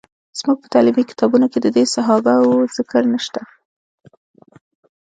زموږ په تعلیمي کتابونو کې د دې صحابه وو ذکر نشته.